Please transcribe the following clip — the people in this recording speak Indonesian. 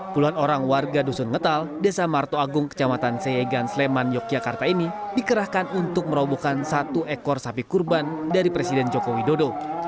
puluhan orang warga dusun ngetal desa marto agung kecamatan seyegan sleman yogyakarta ini dikerahkan untuk merobohkan satu ekor sapi kurban dari presiden joko widodo